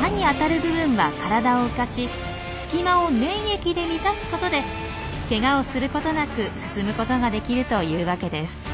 刃に当たる部分は体を浮かし隙間を粘液で満たすことでケガをすることなく進むことができるというわけです。